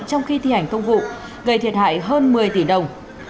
trong khi thi hành công vụ gây thiệt hại hơn một mươi tỷ đồng